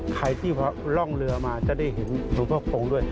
ใครที่ร่องเรือมาจะได้เห็นหลวงพ่อคงด้วย